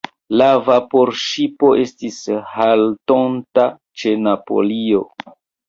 La vaporŝipo estis haltonta ĉe Napolio.